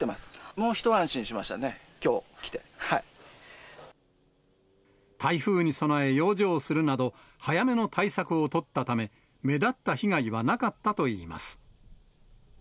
もう一安心しましたね、きょう、台風に備え養生するなど、早めの対策を取ったため、目立った被害はなかったといいます。